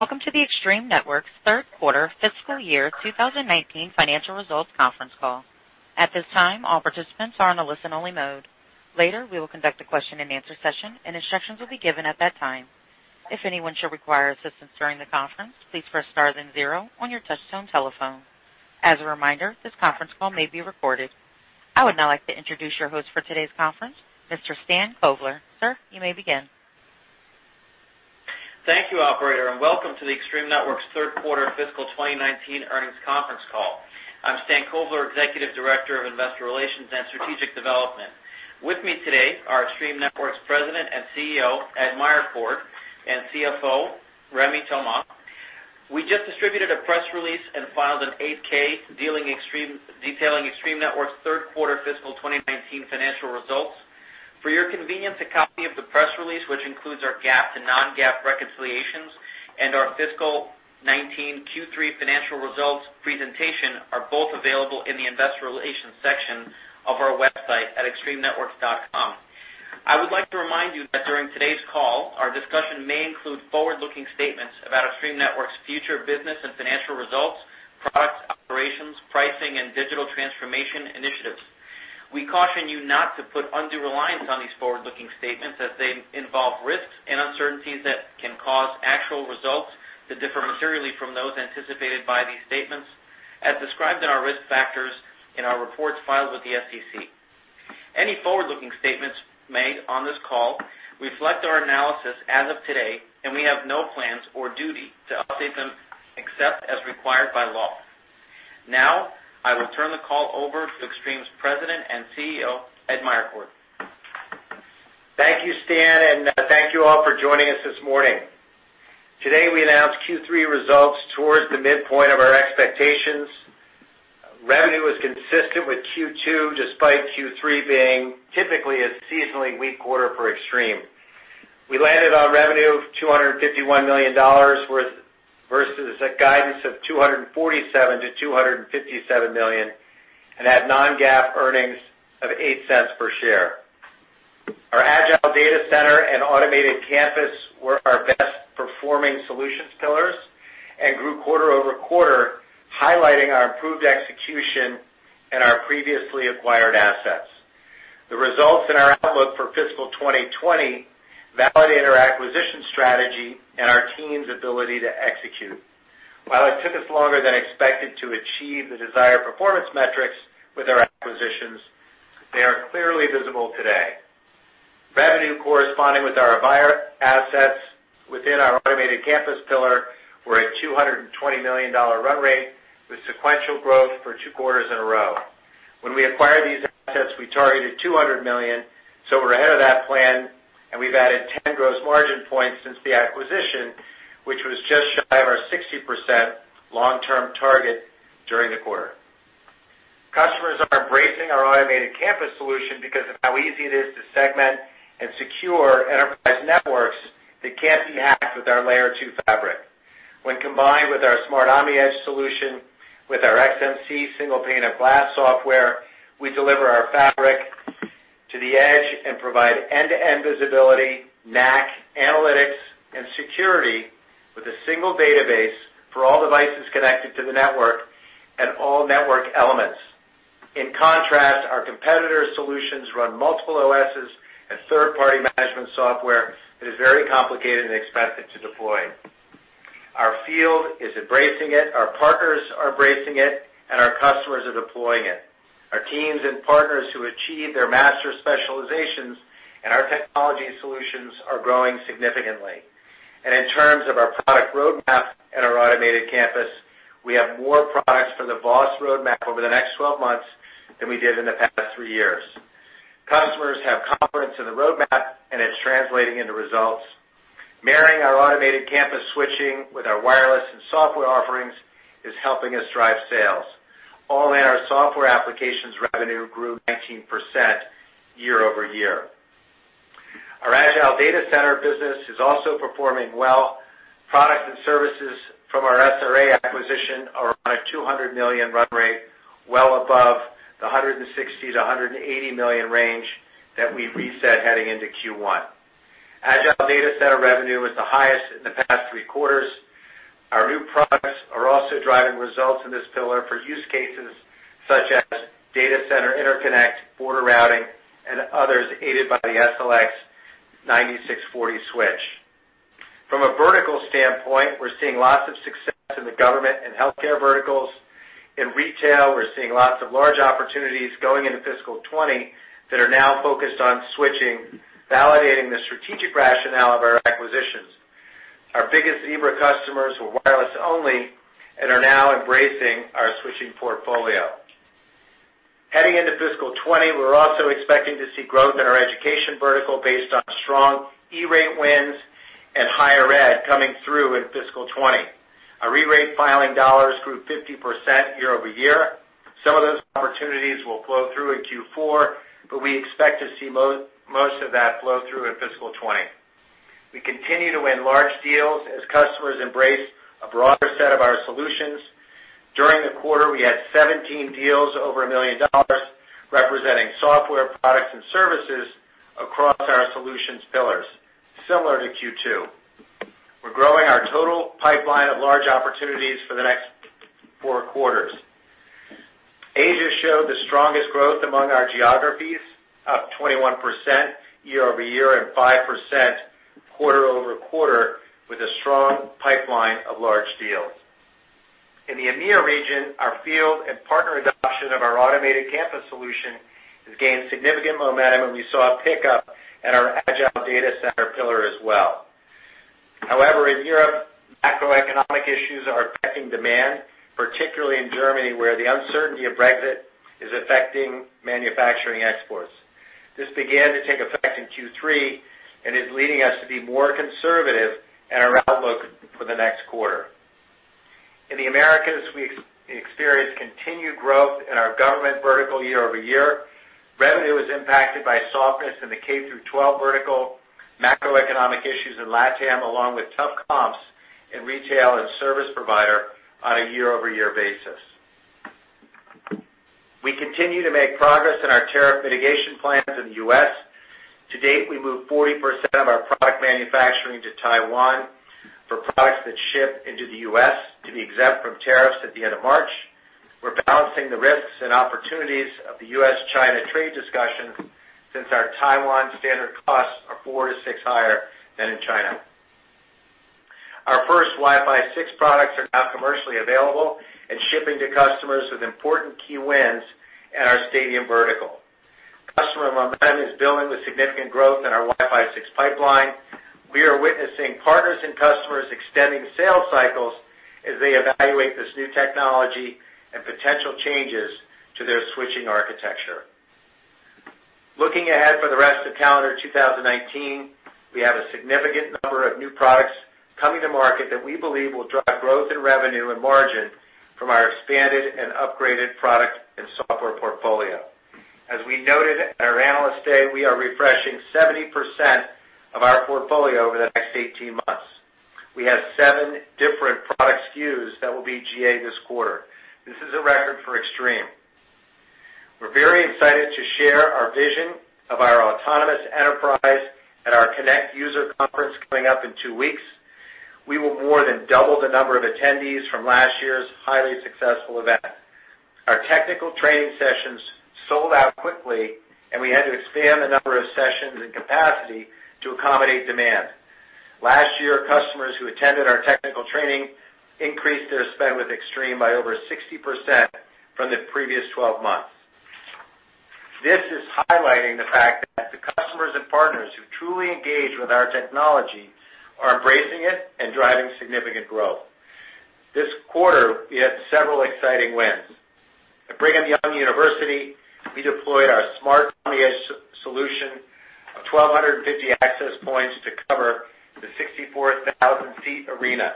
Welcome to the Extreme Networks third quarter fiscal year 2019 financial results conference call. At this time, all participants are on a listen-only mode. Later, we will conduct a question and answer session, and instructions will be given at that time. If anyone should require assistance during the conference, please press star then zero on your touchtone telephone. As a reminder, this conference call may be recorded. I would now like to introduce your host for today's conference, Mr. Stan Kovler. Sir, you may begin. Thank you, operator. Welcome to the Extreme Networks third quarter fiscal 2019 earnings conference call. I'm Stan Kovler, Executive Director of Investor Relations and Strategic Development. With me today are Extreme Networks President and CEO, Ed Meyercord, and CFO, Remi Thomas. We just distributed a press release and filed an 8-K detailing Extreme Networks' third quarter fiscal 2019 financial results. For your convenience, a copy of the press release, which includes our GAAP to non-GAAP reconciliations and our fiscal 2019 Q3 financial results presentation, are both available in the investor relations section of our website at extremenetworks.com. I would like to remind you that during today's call, our discussion may include forward-looking statements about Extreme Networks' future business and financial results, products, operations, pricing, and digital transformation initiatives. We caution you not to put undue reliance on these forward-looking statements as they involve risks and uncertainties that can cause actual results to differ materially from those anticipated by these statements, as described in our risk factors in our reports filed with the SEC. Any forward-looking statements made on this call reflect our analysis as of today, and we have no plans or duty to update them except as required by law. I will turn the call over to Extreme's President and CEO, Ed Meyercord. Thank you, Stan. Thank you all for joining us this morning. Today, we announced Q3 results towards the midpoint of our expectations. Revenue was consistent with Q2, despite Q3 being typically a seasonally weak quarter for Extreme. We landed on revenue of $251 million versus a guidance of $247 million-$257 million, and had non-GAAP earnings of $0.08 per share. Our Agile Data Center and Automated Campus were our best-performing solutions pillars and grew quarter-over-quarter, highlighting our improved execution in our previously acquired assets. The results and our outlook for fiscal 2020 validate our acquisition strategy and our team's ability to execute. While it took us longer than expected to achieve the desired performance metrics with our acquisitions, they are clearly visible today. Revenue corresponding with our Avaya assets within our Automated Campus pillar were a $220 million run rate with sequential growth for two quarters in a row. When we acquired these assets, we targeted $200 million, we're ahead of that plan, and we've added 10 gross margin points since the acquisition, which was just shy of our 60% long-term target during the quarter. Customers are embracing our Automated Campus solution because of how easy it is to segment and secure enterprise networks that can't be hacked with our Layer 2 fabric. When combined with our Smart OmniEdge solution with our XMC single pane of glass software, we deliver our fabric to the edge and provide end-to-end visibility, NAC, analytics, and security with a single database for all devices connected to the network and all network elements. In contrast, our competitors' solutions run multiple OSs and third-party management software that is very complicated and expensive to deploy. Our field is embracing it, our partners are embracing it, and our customers are deploying it. Our teams and partners who achieve their master specializations and our technology solutions are growing significantly. In terms of our product roadmap and our Automated Campus, we have more products from the VOSS roadmap over the next 12 months than we did in the past three years. Customers have confidence in the roadmap, and it's translating into results. Marrying our Automated Campus switching with our wireless and software offerings is helping us drive sales. All in, our software applications revenue grew 19% year-over-year. Our Agile Data Center business is also performing well. Products and services from our Brocade SRA acquisition are on a $200 million run rate, well above the $160 million-$180 million range that we reset heading into Q1. Agile Data Center revenue was the highest in the past three quarters. Our new products are also driving results in this pillar for use cases such as data center interconnect, border routing, and others aided by the SLX 9640 switch. From a vertical standpoint, we're seeing lots of success in the government and healthcare verticals. In retail, we're seeing lots of large opportunities going into fiscal 2020 that are now focused on switching, validating the strategic rationale of our acquisitions. Our biggest Zebra customers were wireless only and are now embracing our switching portfolio. Heading into fiscal 2020, we're also expecting to see growth in our education vertical based on strong E-rate wins and higher ed coming through in fiscal 2020. Our E-rate filing dollars grew 50% year-over-year. Some of those opportunities will flow through in Q4, but we expect to see most of that flow through in fiscal 2020. We continue to win large deals as customers embrace a broader set of our solutions. During the quarter, we had 17 deals over $1 million representing software products and services across our solutions pillars, similar to Q2. We're growing our total pipeline of large opportunities for the next four quarters. Asia showed the strongest growth among our geographies, up 21% year-over-year and 5% quarter-over-quarter, with a strong pipeline of large deals. In the EMEA region, our field and partner adoption of our Automated Campus solution has gained significant momentum, and we saw a pickup in our Agile Data Center pillar as well. However, in Europe, macroeconomic issues are affecting demand, particularly in Germany, where the uncertainty of Brexit is affecting manufacturing exports. This began to take effect in Q3 and is leading us to be more conservative in our outlook for the next quarter. In the Americas, we experienced continued growth in our government vertical year-over-year. Revenue was impacted by softness in the K-12 vertical, macroeconomic issues in LATAM, along with tough comps in retail and service provider on a year-over-year basis. We continue to make progress in our tariff mitigation plans in the U.S. To date, we moved 40% of our product manufacturing to Taiwan for products that ship into the U.S. to be exempt from tariffs at the end of March. We're balancing the risks and opportunities of the U.S.-China trade discussion since our Taiwan standard costs are 4 to 6 higher than in China. Our first Wi-Fi 6 products are now commercially available and shipping to customers with important key wins in our stadium vertical. Customer momentum is building with significant growth in our Wi-Fi 6 pipeline. We are witnessing partners and customers extending sales cycles as they evaluate this new technology and potential changes to their switching architecture. Looking ahead for the rest of calendar 2019, we have a significant number of new products coming to market that we believe will drive growth in revenue and margin from our expanded and upgraded product and software portfolio. As we noted at our Analyst Day, we are refreshing 70% of our portfolio over the next 18 months. We have seven different product SKUs that will be GA this quarter. This is a record for Extreme. We're very excited to share our vision of our autonomous enterprise at our Connect user conference coming up in two weeks. We will more than double the number of attendees from last year's highly successful event. Our technical training sessions sold out quickly, we had to expand the number of sessions and capacity to accommodate demand. Last year, customers who attended our technical training increased their spend with Extreme by over 60% from the previous 12 months. This is highlighting the fact that the customers and partners who truly engage with our technology are embracing it and driving significant growth. This quarter, we had several exciting wins. At Brigham Young University, we deployed our Smart OmniEdge solution of 1,250 access points to cover the 64,000-seat arena.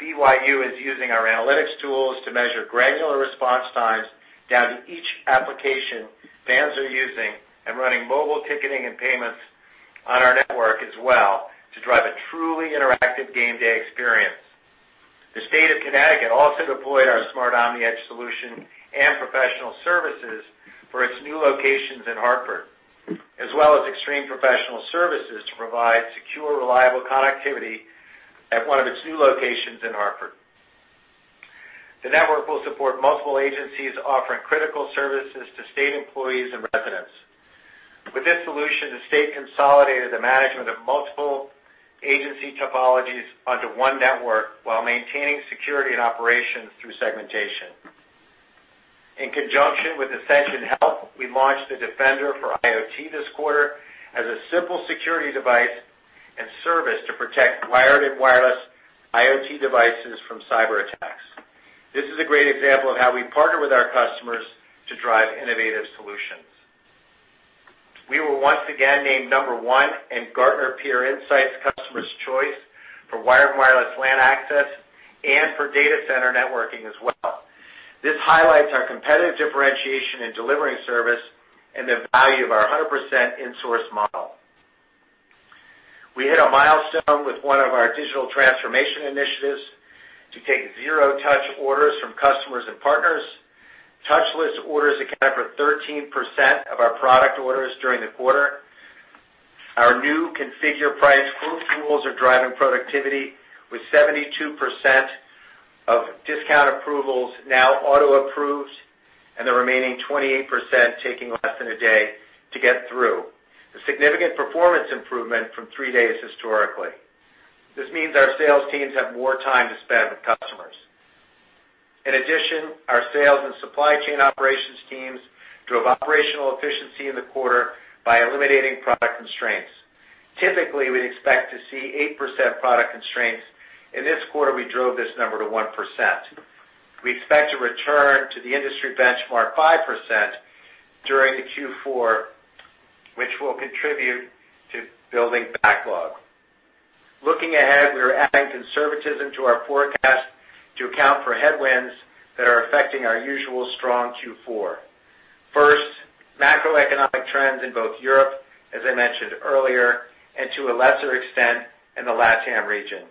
BYU is using our analytics tools to measure granular response times down to each application fans are using and running mobile ticketing and payments on our network as well to drive a truly interactive game day experience. The state of Connecticut also deployed our Smart OmniEdge solution and professional services for its new locations in Hartford, as well as Extreme professional services to provide secure, reliable connectivity at one of its new locations in Hartford. The network will support multiple agencies offering critical services to state employees and residents. With this solution, the state consolidated the management of multiple agency topologies onto one network while maintaining security and operations through segmentation. In conjunction with Ascension, we launched the Defender for IoT this quarter as a simple security device and service to protect wired and wireless IoT devices from cyberattacks. This is a great example of how we partner with our customers to drive innovative solutions. We were once again named number one in Gartner Peer Insights Customers' Choice for wired and wireless LAN access and for data center networking as well. This highlights our competitive differentiation in delivering service and the value of our 100% in-source model. We hit a milestone with one of our digital transformation initiatives to take zero-touch orders from customers and partners. Touchless orders accounted for 13% of our product orders during the quarter. Our new configure price quote tools are driving productivity with 72% of discount approvals now auto-approved and the remaining 28% taking less than a day to get through, a significant performance improvement from three days historically. This means our sales teams have more time to spend with customers. Our sales and supply chain operations teams drove operational efficiency in the quarter by eliminating product constraints. Typically, we'd expect to see 8% product constraints. In this quarter, we drove this number to 1%. We expect to return to the industry benchmark 5% during the Q4, which will contribute to building backlog. Macroeconomic trends in both Europe, as I mentioned earlier, and to a lesser extent, in the LATAM region.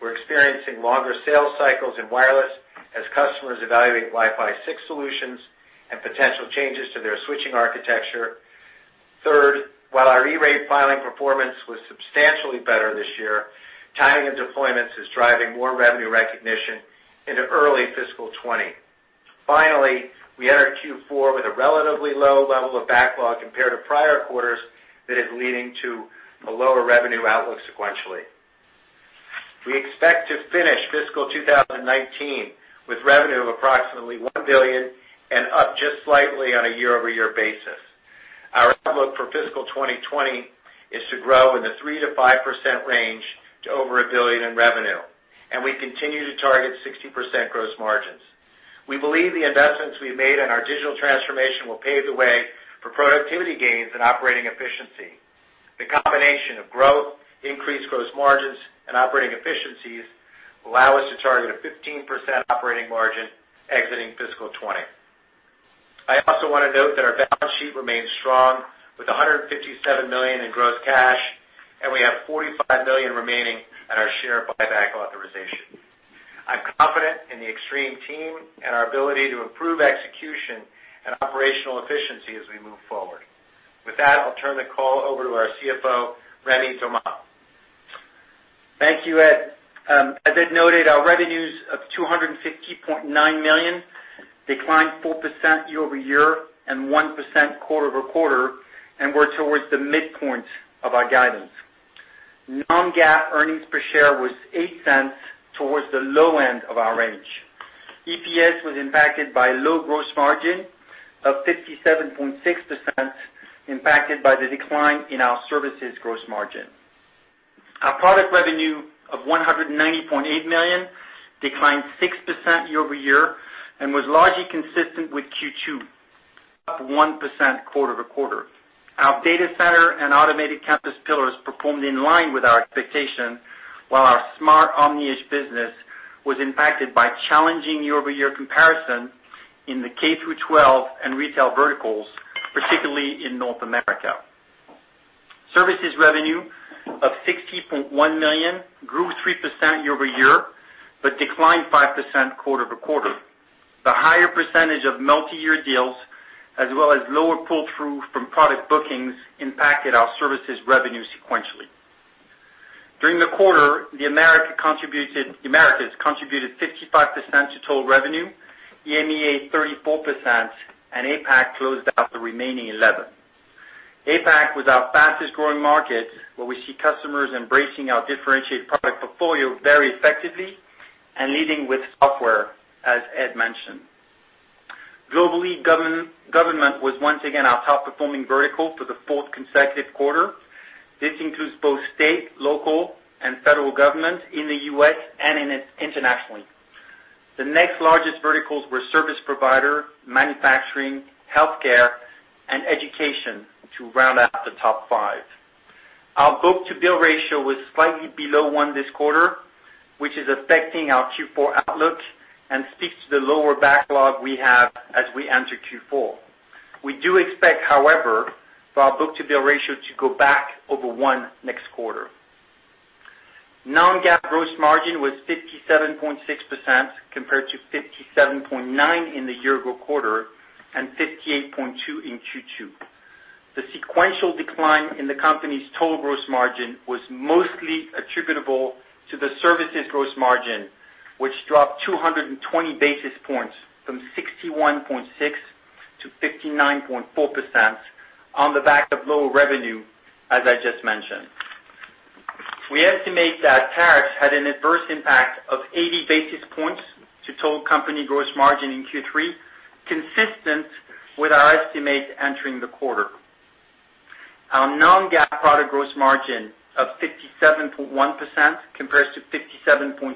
We're experiencing longer sales cycles in wireless as customers evaluate Wi-Fi 6 solutions and potential changes to their switching architecture. While our E-rate filing performance was substantially better this year, timing of deployments is driving more revenue recognition into early fiscal 2020. We entered Q4 with a relatively low level of backlog compared to prior quarters that is leading to a lower revenue outlook sequentially. We expect to finish fiscal 2019 with revenue of approximately $1 billion and up just slightly on a year-over-year basis. Our outlook for fiscal 2020 is to grow in the 3%-5% range to over $1 billion in revenue, and we continue to target 60% gross margins. We believe the investments we've made in our digital transformation will pave the way for productivity gains and operating efficiency. The combination of growth, increased gross margins, and operating efficiencies allow us to target a 15% operating margin exiting fiscal 2020. I also want to note that our balance sheet remains strong with $157 million in gross cash, and we have $45 million remaining on our share buyback authorization. I'm confident in the Extreme team and our ability to improve execution and operational efficiency as we move forward. With that, I'll turn the call over to our CFO, René Dommisse. Thank you, Ed. As Ed noted, our revenues of $250.9 million declined 4% year-over-year and 1% quarter-over-quarter and were towards the midpoint of our guidance. Non-GAAP EPS was $0.08 towards the low end of our range. EPS was impacted by low gross margin of 57.6%, impacted by the decline in our services gross margin. Our product revenue of $190.8 million declined 6% year-over-year and was largely consistent with Q2, up 1% quarter-over-quarter. Our data center and Automated Campus pillars performed in line with our expectation, while our Smart OmniEdge business was impacted by challenging year-over-year comparison in the K-12 and retail verticals, particularly in North America. Services revenue of $60.1 million grew 3% year-over-year, declined 5% quarter-over-quarter. The higher percentage of multi-year deals, as well as lower pull-through from product bookings impacted our services revenue sequentially. During the quarter, the Americas contributed 55% to total revenue, EMEA 34%, and APAC closed out the remaining 11%. APAC was our fastest-growing market, where we see customers embracing our differentiated product portfolio very effectively and leading with software, as Ed mentioned. Globally, government was once again our top-performing vertical for the fourth consecutive quarter. This includes both state, local, and federal government in the U.S. and internationally. The next largest verticals were service provider, manufacturing, healthcare, and education to round out the top five. Our book-to-bill ratio was slightly below 1 this quarter, which is affecting our Q4 outlook and speaks to the lower backlog we have as we enter Q4. We do expect, however, for our book-to-bill ratio to go back over 1 next quarter. Non-GAAP gross margin was 57.6%, compared to 57.9% in the year-ago quarter and 58.2% in Q2. The sequential decline in the company's total gross margin was mostly attributable to the services gross margin, which dropped 220 basis points from 61.6% to 59.4% on the back of lower revenue, as I just mentioned. We estimate that tariffs had an adverse impact of 80 basis points to total company gross margin in Q3, consistent with our estimate entering the quarter. Our non-GAAP product gross margin of 57.1% compares to 57.5%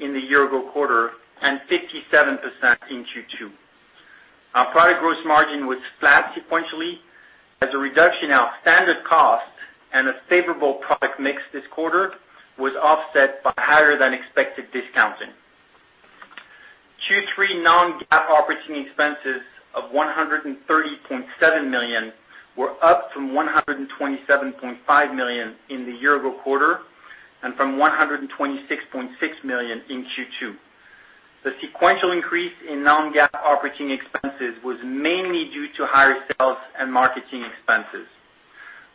in the year-ago quarter and 57% in Q2. Our product gross margin was flat sequentially as a reduction in our standard cost and a favorable product mix this quarter was offset by higher-than-expected discounting. Q3 non-GAAP operating expenses of $130.7 million were up from $127.5 million in the year-ago quarter and from $126.6 million in Q2. The sequential increase in non-GAAP operating expenses was mainly due to higher sales and marketing expenses.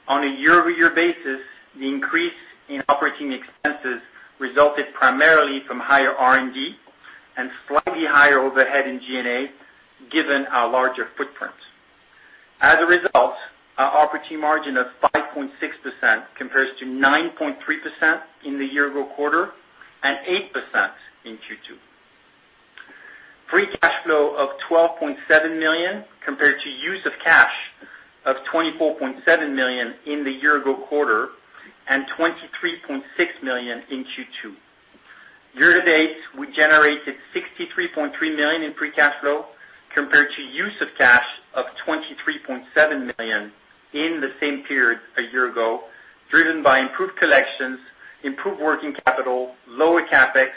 On a year-over-year basis, the increase in operating expenses resulted primarily from higher R&D and slightly higher overhead in G&A, given our larger footprint. As a result, our operating margin of 5.6% compares to 9.3% in the year-ago quarter and 8% in Q2. Free cash flow of $12.7 million compared to use of cash of $24.7 million in the year-ago quarter and $23.6 million in Q2. Year to date, we generated $63.3 million in free cash flow compared to use of cash $3.7 million in the same period a year ago, driven by improved collections, improved working capital, lower CapEx,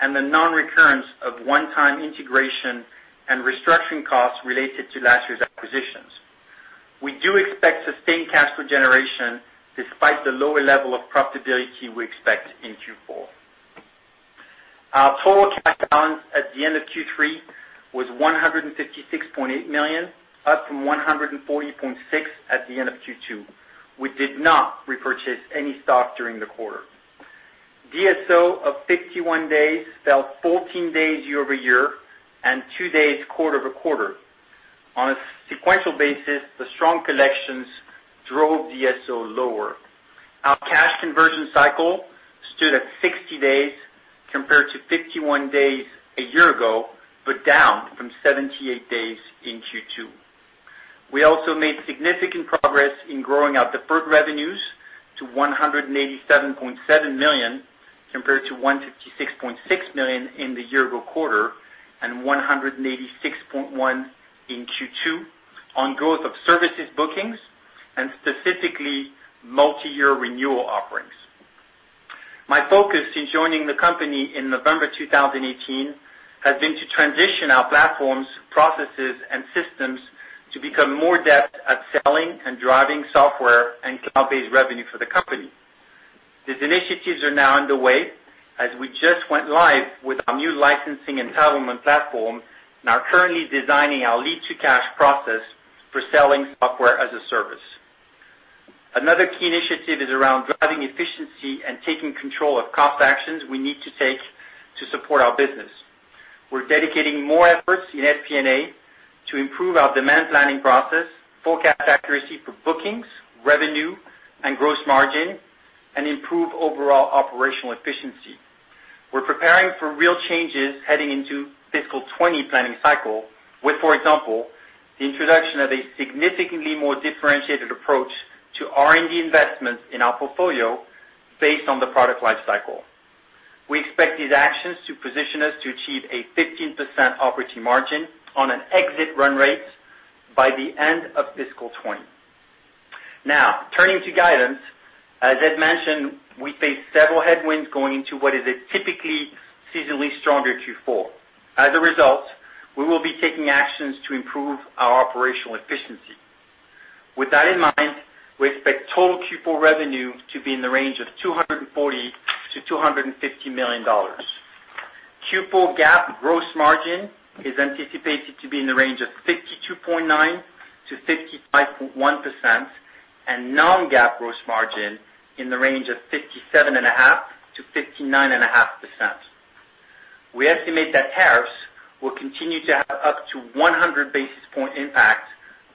and the non-recurrence of one-time integration and restructuring costs related to last year's acquisitions. We do expect sustained cash flow generation despite the lower level of profitability we expect in Q4. Our total cash balance at the end of Q3 was $156.8 million, up from $140.6 million at the end of Q2. We did not repurchase any stock during the quarter. DSO of 51 days fell 14 days year-over-year and two days quarter-over-quarter. On a sequential basis, the strong collections drove DSO lower. Our cash conversion cycle stood at 60 days compared to 51 days a year ago, but down from 78 days in Q2. We also made significant progress in growing out deferred revenues to $187.7 million, compared to $156.6 million in the year-ago quarter and $186.1 million in Q2, on growth of services bookings and specifically multi-year renewal offerings. My focus since joining the company in November 2018 has been to transition our platforms, processes, and systems to become more adept at selling and driving software and cloud-based revenue for the company. These initiatives are now underway as we just went live with our new licensing entitlement platform and are currently designing our lead to cash process for selling software as a service. Another key initiative is around driving efficiency and taking control of cost actions we need to take to support our business. We're dedicating more efforts in FP&A to improve our demand planning process, forecast accuracy for bookings, revenue, and gross margin, and improve overall operational efficiency. We're preparing for real changes heading into fiscal 2020 planning cycle with, for example, the introduction of a significantly more differentiated approach to R&D investments in our portfolio based on the product life cycle. We expect these actions to position us to achieve a 15% operating margin on an exit run rate by the end of fiscal 2020. Turning to guidance. As Ed mentioned, we face several headwinds going into what is a typically seasonally stronger Q4. As a result, we will be taking actions to improve our operational efficiency. With that in mind, we expect total Q4 revenue to be in the range of $240 million-$250 million. Q4 GAAP gross margin is anticipated to be in the range of 52.9%-55.1%, and non-GAAP gross margin in the range of 57.5%-59.5%. We estimate that tariffs will continue to have up to 100 basis point impact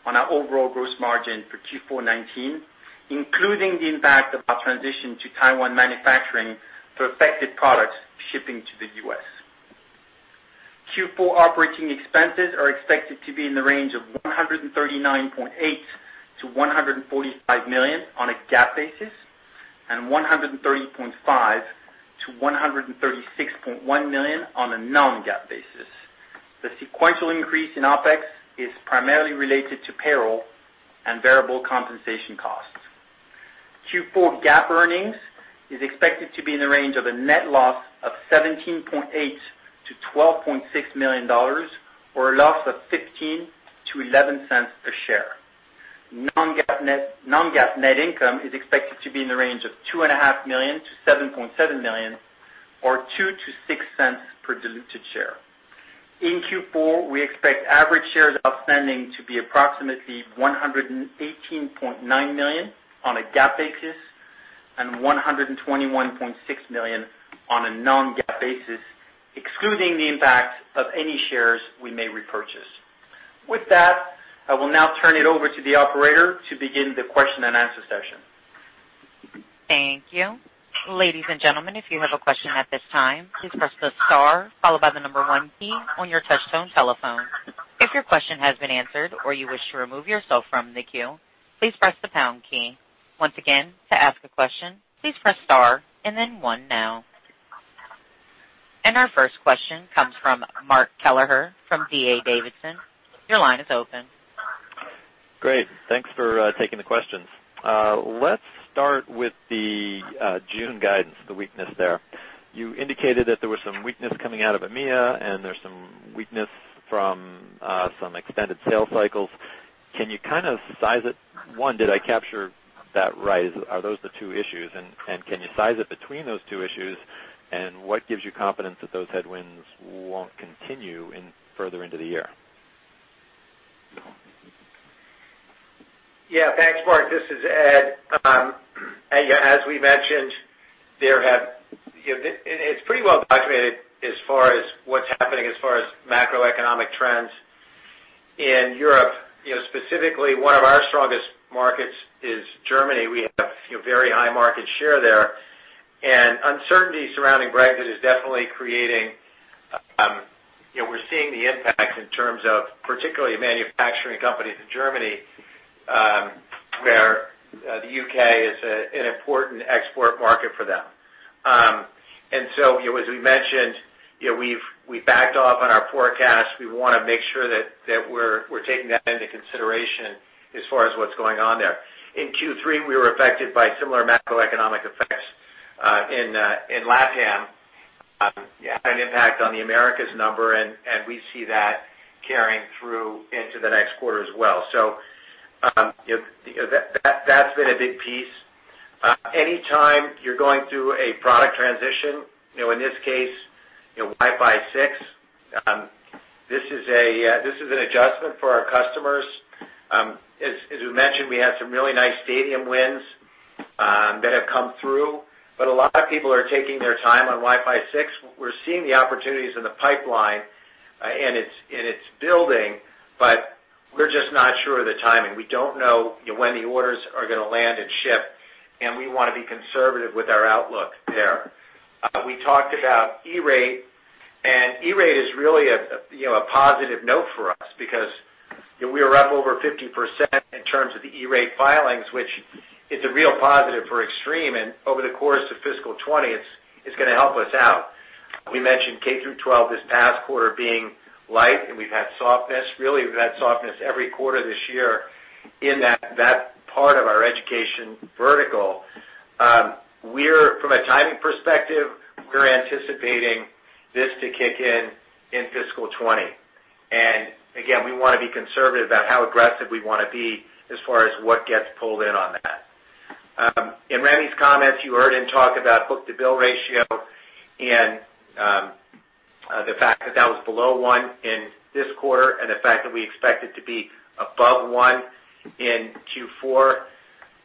on our overall gross margin for Q4 2019, including the impact of our transition to Taiwan manufacturing for affected products shipping to the U.S. Q4 operating expenses are expected to be in the range of $139.8 million-$145 million on a GAAP basis and $130.5 million-$136.1 million on a non-GAAP basis. The sequential increase in OpEx is primarily related to payroll and variable compensation costs. Q4 GAAP earnings is expected to be in the range of a net loss of $17.8 million-$12.6 million, or a loss of $0.15-$0.11 per share. Non-GAAP net income is expected to be in the range of $2.5 million-$7.7 million or $0.02-$0.06 per diluted share. In Q4, we expect average shares outstanding to be approximately 118.9 million on a GAAP basis and 121.6 million on a non-GAAP basis, excluding the impact of any shares we may repurchase. With that, I will now turn it over to the operator to begin the question and answer session. Thank you. Ladies and gentlemen, if you have a question at this time, please press the star followed by the number one key on your touchtone telephone. If your question has been answered or you wish to remove yourself from the queue, please press the pound key. Once again, to ask a question, please press star and then one now. Our first question comes from Mark Kelleher from D.A. Davidson. Your line is open. Great. Thanks for taking the questions. Let's start with the June guidance, the weakness there. You indicated that there was some weakness coming out of EMEA and there's some weakness from some extended sales cycles. Can you size it? One, did I capture that right? Are those the two issues, and can you size it between those two issues, and what gives you confidence that those headwinds won't continue further into the year? Thanks, Mark. This is Ed. As we mentioned, it's pretty well documented as far as what's happening as far as macroeconomic trends in Europe. Specifically, one of our strongest markets is Germany. We have very high market share there, and uncertainty surrounding Brexit is definitely We're seeing the impact in terms of particularly manufacturing companies in Germany, where The U.K. is an important export market for them. As we mentioned, we've backed off on our forecast. We want to make sure that we're taking that into consideration as far as what's going on there. In Q3, we were affected by similar macroeconomic effects, in LATAM. You had an impact on the Americas number, We see that carrying through into the next quarter as well. That's been a big piece. Anytime you're going through a product transition, in this case, Wi-Fi 6, this is an adjustment for our customers. As we mentioned, we had some really nice stadium wins that have come through. A lot of people are taking their time on Wi-Fi 6. We're seeing the opportunities in the pipeline, It's building, We're just not sure of the timing. We don't know when the orders are going to land and ship, and we want to be conservative with our outlook there. We talked about E-Rate, and E-Rate is really a positive note for us because we are up over 50% in terms of the E-Rate filings, which is a real positive for Extreme. Over the course of fiscal 2020, it's going to help us out. We mentioned K-12 this past quarter being light, and we've had softness really. We've had softness every quarter this year in that part of our education vertical. From a timing perspective, we're anticipating this to kick in fiscal 2020. Again, we want to be conservative about how aggressive we want to be as far as what gets pulled in on that. In René comments, you heard him talk about book-to-bill ratio and the fact that was below one in this quarter, and the fact that we expect it to be above one in Q4.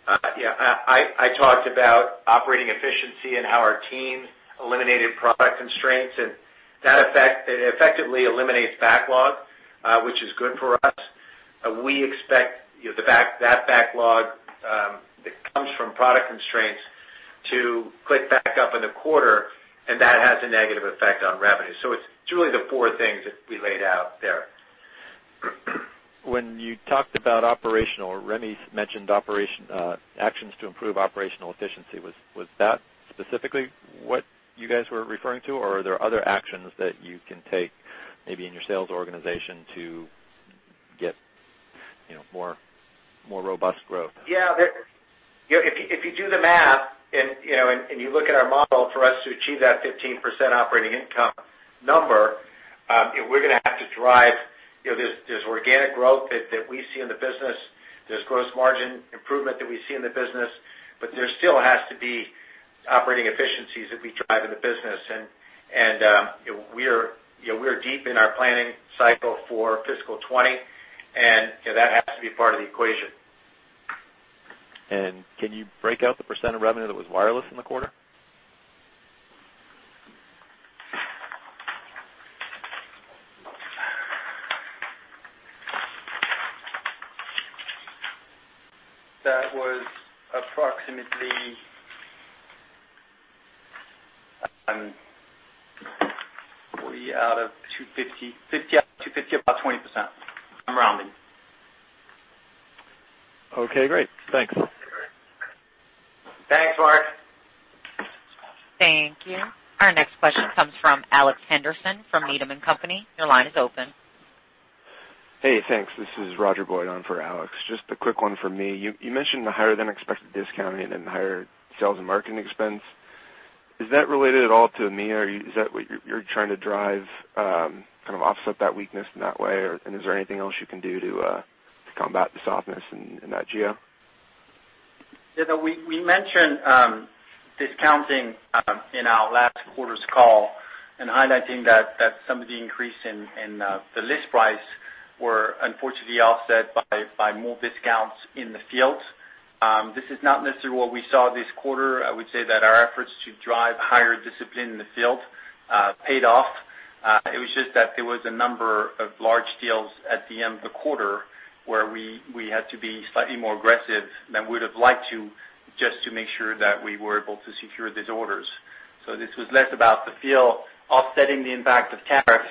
I talked about operating efficiency and how our teams eliminated product constraints, and it effectively eliminates backlog, which is good for us. We expect that backlog that comes from product constraints to click back up in the quarter, and that has a negative effect on revenue. It's really the four things that we laid out there. When you talked about operational, René mentioned actions to improve operational efficiency. Was that specifically what you guys were referring to, or are there other actions that you can take maybe in your sales organization to get more robust growth? If you do the math and you look at our model for us to achieve that 15% operating income number, we're going to have to drive this organic growth that we see in the business. There's gross margin improvement that we see in the business, but there still has to be operating efficiencies that we drive in the business. We are deep in our planning cycle for fiscal 2020, and that has to be part of the equation. Can you break out the % of revenue that was wireless in the quarter? That was approximately 50 out of 250, about 20%. I'm rounding. Okay, great. Thanks. Thanks, Mark. Thank you. Our next question comes from Alex Henderson from Needham & Company. Your line is open. Hey, thanks. This is Roger Boyd on for Alex. Just a quick one for me. You mentioned the higher-than-expected discounting and higher sales and marketing expense. Is that related at all to EMEA, or is that what you're trying to drive, kind of offset that weakness in that way? Is there anything else you can do to combat the softness in that geo? Yeah. We mentioned discounting in our last quarter's call and highlighting that some of the increase in the list price were unfortunately offset by more discounts in the field. This is not necessarily what we saw this quarter. I would say that our efforts to drive higher discipline in the field paid off. It was just that there was a number of large deals at the end of the quarter where we had to be slightly more aggressive than we would've liked to, just to make sure that we were able to secure these orders. This was less about the field offsetting the impact of tariffs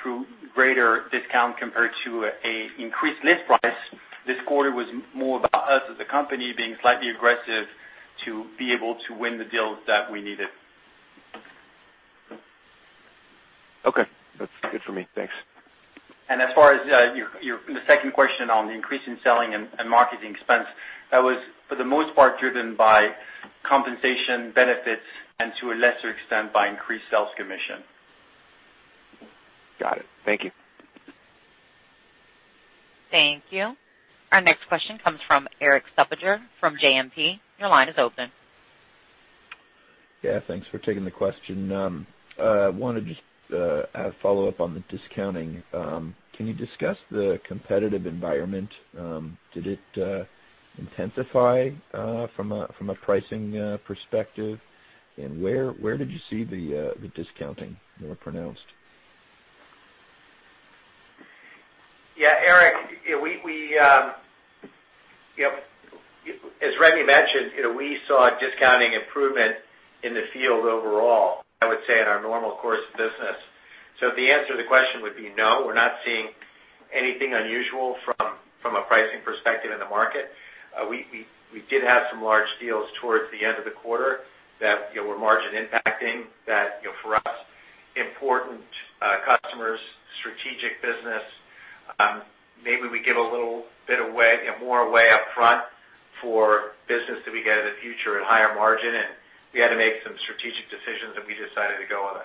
through greater discount compared to an increased list price. This quarter was more about us as a company being slightly aggressive to be able to win the deals that we needed. Okay. That's good for me. Thanks. As far as the second question on the increase in selling and marketing expense, that was for the most part driven by compensation benefits and to a lesser extent, by increased sales commission. Got it. Thank you. Thank you. Our next question comes from Erik Suppiger, from JMP. Your line is open. Thanks for taking the question. I want to just follow up on the discounting. Can you discuss the competitive environment? Did it intensify from a pricing perspective, and where did you see the discounting more pronounced? Yeah, Erik, as Rémi mentioned, we saw discounting improvement in the field overall, I would say, in our normal course of business. The answer to the question would be no, we're not seeing anything unusual from a pricing perspective in the market? We did have some large deals towards the end of the quarter that were margin impacting that for us, important customers, strategic business. Maybe we give a little bit more away up front for business that we get in the future at higher margin, and we had to make some strategic decisions, and we decided to go with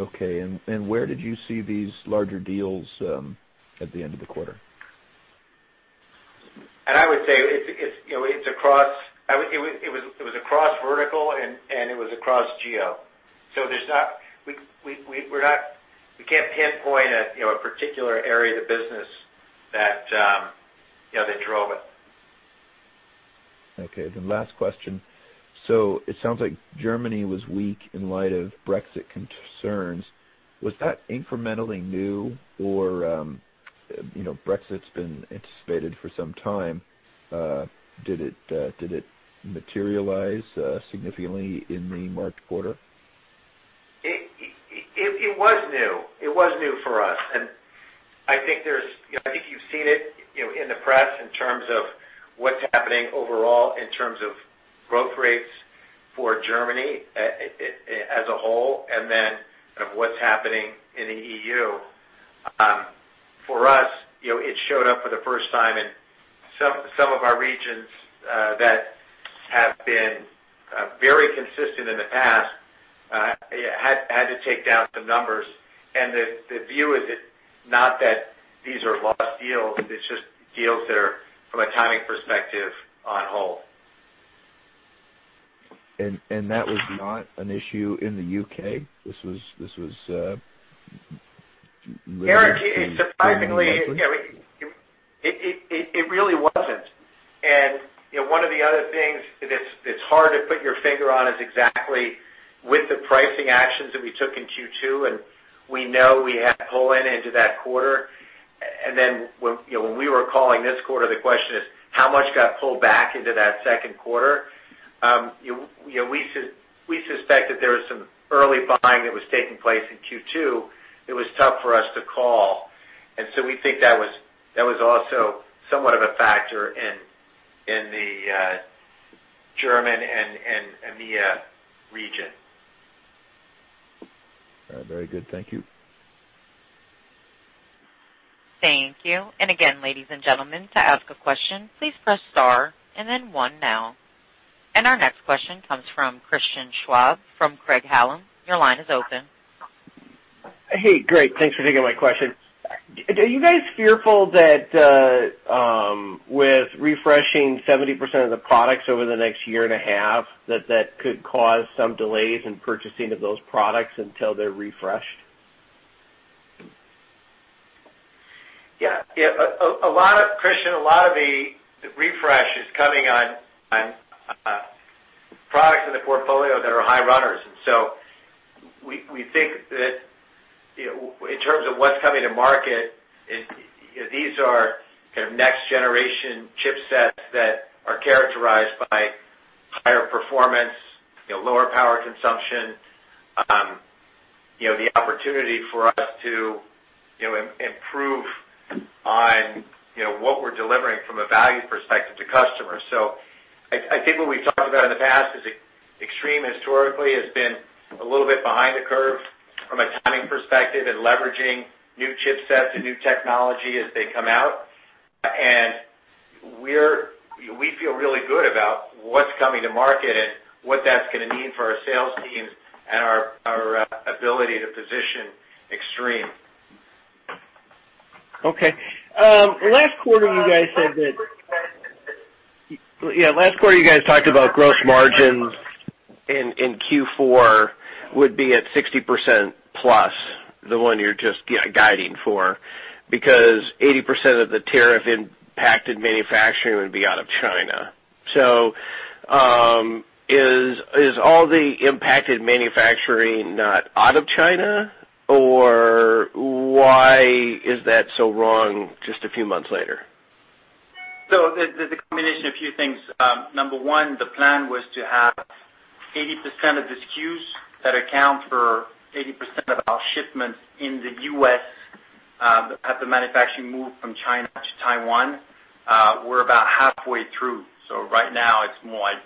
it. Okay. Where did you see these larger deals at the end of the quarter? I would say it was across vertical and it was across geo. We can't pinpoint a particular area of the business that they drove it. Okay, last question. It sounds like Germany was weak in light of Brexit concerns. Was that incrementally new or Brexit's been anticipated for some time. Did it materialize significantly in the March quarter? It was new for us. I think you've seen it in the press in terms of what's happening overall in terms of growth rates for Germany as a whole, then of what's happening in the EU. For us, it showed up for the first time in some of our regions that have been very consistent in the past, had to take down some numbers. The view is it not that these are lost deals, it's just deals that are, from a timing perspective, on hold. That was not an issue in the U.K.? Erik, it really wasn't. One of the other things that's hard to put your finger on is exactly with the pricing actions that we took in Q2, we know we had to pull in into that quarter. Then when we were calling this quarter, the question is, how much got pulled back into that second quarter? We suspect that there was some early buying that was taking place in Q2 that was tough for us to call. So we think that was also somewhat of a factor in the German and EMEA region. All right. Very good. Thank you. Thank you. Again, ladies and gentlemen, to ask a question, please press star and then one now. Our next question comes from Christian Schwab from Craig-Hallum. Your line is open. Hey, great. Thanks for taking my question. Are you guys fearful that with refreshing 70% of the products over the next year and a half, that that could cause some delays in purchasing of those products until they're refreshed? Yeah. Christian, a lot of the refresh is coming on products in the portfolio that are high runners. We think that in terms of what's coming to market, these are kind of next generation chipsets that are characterized by higher performance, lower power consumption. The opportunity for us to improve on what we're delivering from a value perspective to customers. I think what we've talked about in the past is Extreme historically has been a little bit behind the curve from a timing perspective and leveraging new chipsets and new technology as they come out. We feel really good about what's coming to market and what that's going to mean for our sales teams and our ability to position Extreme. Okay. Last quarter you guys talked about gross margins in Q4 would be at 60% plus the one you're just guiding for because 80% of the tariff impacted manufacturing would be out of China. Is all the impacted manufacturing not out of China, or why is that so wrong just a few months later? The combination of a few things. Number 1, the plan was to have 80% of the SKUs that account for 80% of our shipments in the U.S., have the manufacturing move from China to Taiwan. We're about halfway through. Right now it's more like,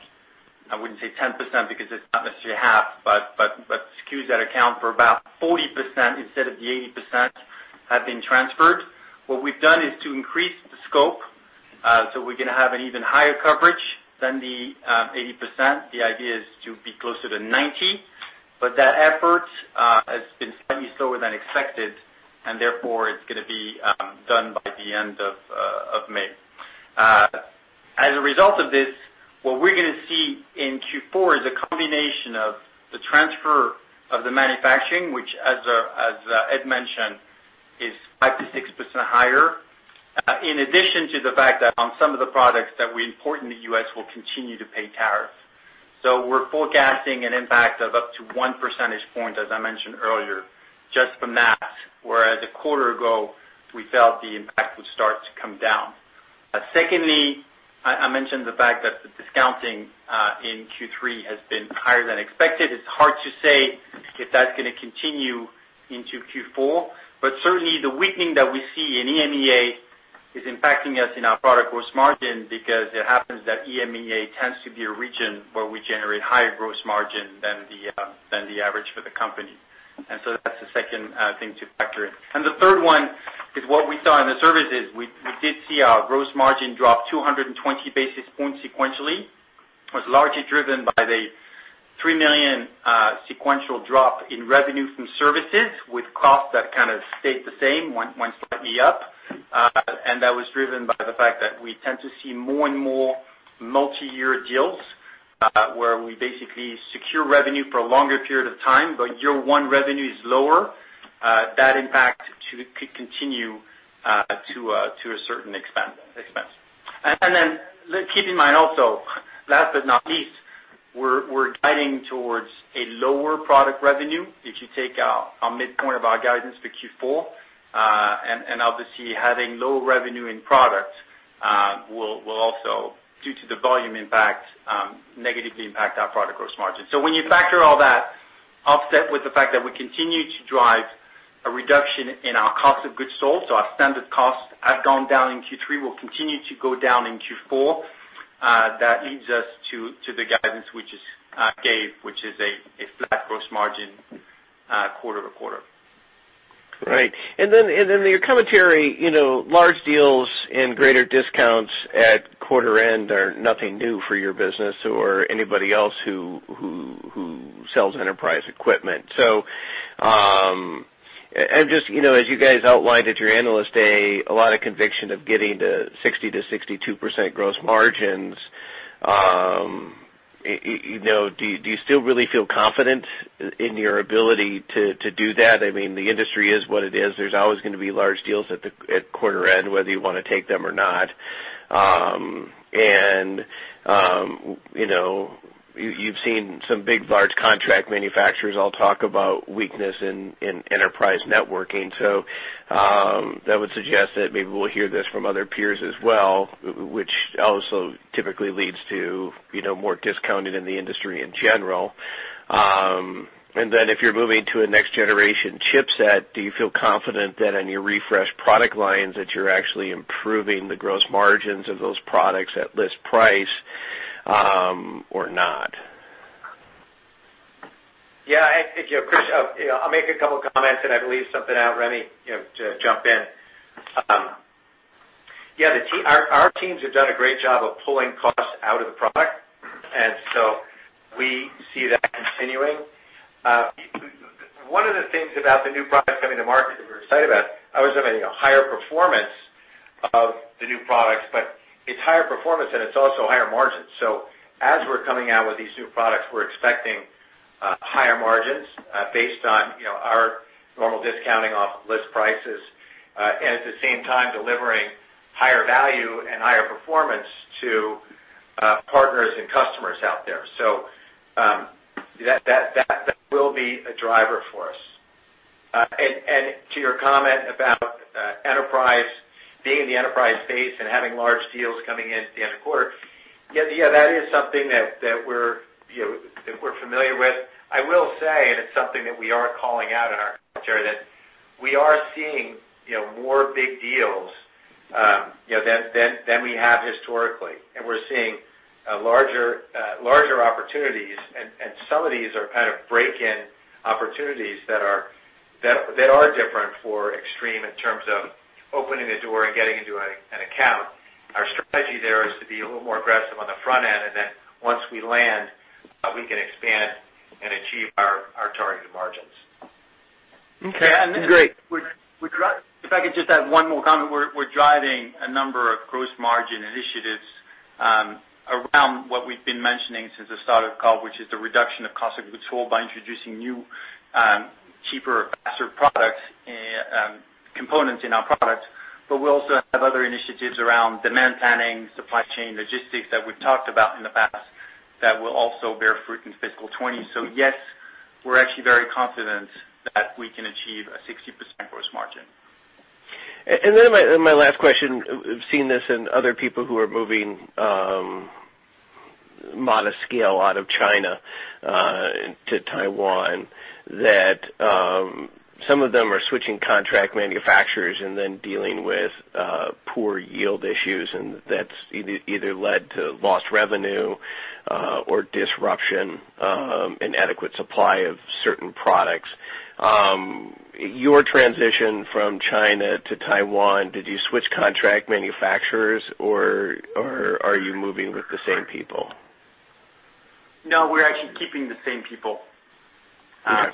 I wouldn't say 10% because it's not necessarily half, but SKUs that account for about 40% instead of the 80% have been transferred. What we've done is to increase the scope. We're going to have an even higher coverage than the 80%. The idea is to be closer to 90. That effort has been slightly slower than expected and therefore it's going to be done by the end of May. As a result of this, what we're going to see in Q4 is a combination of the transfer of the manufacturing, which as Ed mentioned, is 5%-6% higher. In addition to the fact that on some of the products that we import in the U.S. will continue to pay tariffs. We're forecasting an impact of up to one percentage point, as I mentioned earlier, just from that. Whereas a quarter ago, we felt the impact would start to come down. Secondly, I mentioned the fact that the discounting in Q3 has been higher than expected. It's hard to say if that's going to continue into Q4, but certainly the weakening that we see in EMEA is impacting us in our product gross margin because it happens that EMEA tends to be a region where we generate higher gross margin than the average for the company. That's the second thing to factor in. The third one is what we saw in the services. We did see our gross margin drop 220 basis points sequentially. It was largely driven by the $3 million sequential drop in revenue from services with costs that kind of stayed the same, went slightly up. That was driven by the fact that we tend to see more and more multi-year deals, where we basically secure revenue for a longer period of time, but year 1 revenue is lower. That impact could continue to a certain expense. Keep in mind also, last but not least, we're guiding towards a lower product revenue. If you take our midpoint of our guidance for Q4, obviously having low revenue in product will also, due to the volume impact, negatively impact our product gross margin. When you factor all that, offset with the fact that we continue to drive a reduction in our cost of goods sold, our standard costs have gone down in Q3, will continue to go down in Q4, that leads us to the guidance which is gave, which is a flat gross margin quarter-over-quarter. Right. Your commentary, large deals and greater discounts at quarter end are nothing new for your business or anybody else who sells enterprise equipment. As you guys outlined at your Analyst Day, a lot of conviction of getting to 60%-62% gross margins. Do you still really feel confident in your ability to do that? The industry is what it is. There's always going to be large deals at quarter end, whether you want to take them or not. You've seen some big, large contract manufacturers all talk about weakness in enterprise networking. That would suggest that maybe we'll hear this from other peers as well, which also typically leads to more discounting in the industry in general. If you're moving to a next-generation chipset, do you feel confident that on your refreshed product lines, that you're actually improving the gross margins of those products at list price, or not? Yeah. I think, Chris, I'll make a couple of comments, I'll leave something out, René, to jump in. Yeah. Our teams have done a great job of pulling costs out of the product, we see that continuing. One of the things about the new products coming to market that we're excited about, obviously, higher performance of the new products, but it's higher performance and it's also higher margins. As we're coming out with these new products, we're expecting higher margins based on our normal discounting off list prices. At the same time, delivering higher value and higher performance to partners and customers out there. That will be a driver for us. To your comment about being in the enterprise space and having large deals coming in at the end of quarter, yeah, that is something that we're familiar with. I will say, it's something that we are calling out in our culture, that we are seeing more big deals than we have historically, we're seeing larger opportunities, some of these are kind of break-in opportunities that are different for Extreme in terms of opening the door and getting into an account. Our strategy there is to be a little more aggressive on the front end, once we land, we can expand and achieve our targeted margins. Okay, great. If I could just add one more comment. We're driving a number of gross margin initiatives around what we've been mentioning since the start of the call, which is the reduction of cost of goods sold by introducing new, cheaper, faster products, components in our product. We also have other initiatives around demand planning, supply chain logistics that we've talked about in the past that will also bear fruit in FY 2020. Yes, we're actually very confident that we can achieve a 60% gross margin. My last question, I've seen this in other people who are moving modest scale out of China to Taiwan, that some of them are switching contract manufacturers and then dealing with poor yield issues, and that's either led to lost revenue or disruption, inadequate supply of certain products. Your transition from China to Taiwan, did you switch contract manufacturers or are you moving with the same people? No, we're actually keeping the same people. Okay.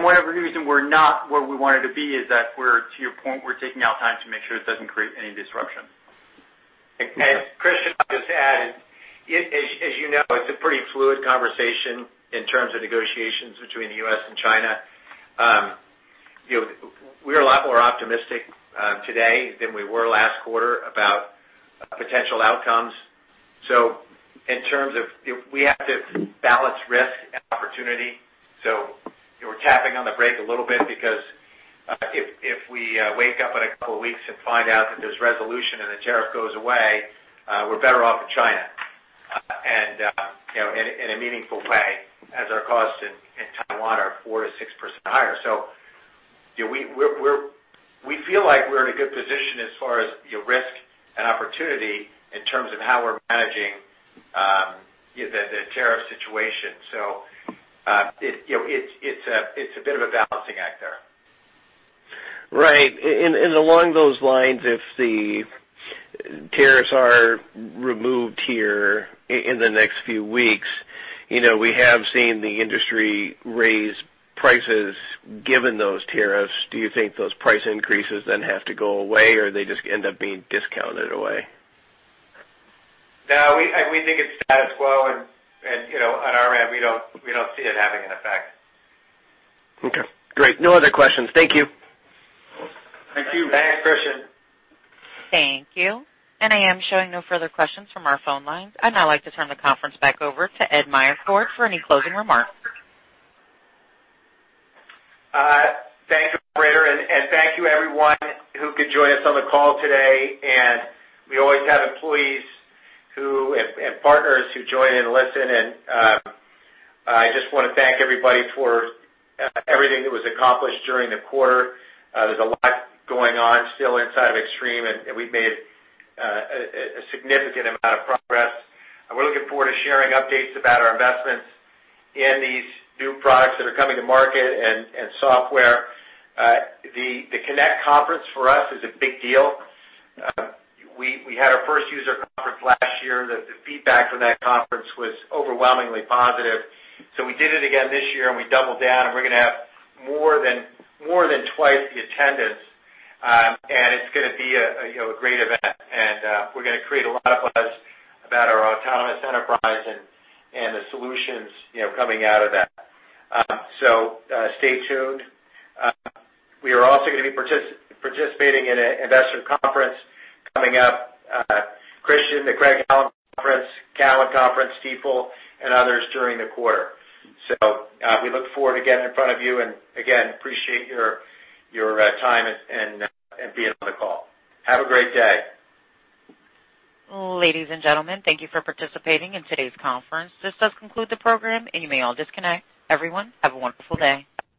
One of the reason we're not where we wanted to be is that we're, to your point, taking our time to make sure it doesn't create any disruption. Christian, I'll just add, as you know, it's a pretty fluid conversation in terms of negotiations between the U.S. and China. We're a lot more optimistic today than we were last quarter about potential outcomes. In terms of if we have to balance riskOn the break a little bit, because if we wake up in a couple of weeks and find out that there's resolution and the tariff goes away, we're better off in China. In a meaningful way, as our costs in Taiwan are 4%-6% higher. We feel like we're in a good position as far as risk and opportunity in terms of how we're managing the tariff situation. It's a bit of a balancing act there. Right. Along those lines, if the tariffs are removed here in the next few weeks, we have seen the industry raise prices given those tariffs. Do you think those price increases then have to go away, or they just end up being discounted away? No, we think it's status quo, and on our end, we don't see it having an effect. Okay, great. No other questions. Thank you. Thank you. Thanks, Christian. Thank you. I am showing no further questions from our phone lines. I'd now like to turn the conference back over to Ed Meyercord for any closing remarks. Thank you, Operator, and thank you everyone who could join us on the call today, and we always have employees and partners who join in and listen, and I just want to thank everybody for everything that was accomplished during the quarter. There's a lot going on still inside of Extreme, and we've made a significant amount of progress, and we're looking forward to sharing updates about our investments in these new products that are coming to market and software. The CONNECT conference for us is a big deal. We had our first user conference last year. The feedback from that conference was overwhelmingly positive. We did it again this year, and we doubled down, and we're going to have more than twice the attendance. It's going to be a great event, we're going to create a lot of buzz about our autonomous enterprise and the solutions coming out of that. Stay tuned. We are also going to be participating in an investor conference coming up Christian, the Craig-Hallum conference, Cowen conference, Stifel, and others during the quarter. We look forward to getting in front of you, and again, appreciate your time and being on the call. Have a great day. Ladies and gentlemen, thank you for participating in today's conference. This does conclude the program, and you may all disconnect. Everyone, have a wonderful day.